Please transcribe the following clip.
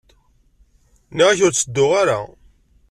Nniɣ-ak ur ttedduɣ ara.